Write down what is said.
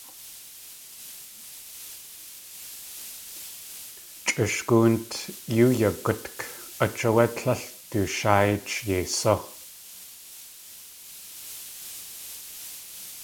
Chʼu school-t yóo yagútk, ách áwé tlél dusháaych yeisú.